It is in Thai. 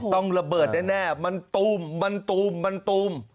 ต้องระเบิดแน่มันตูมมันตูมมันตูม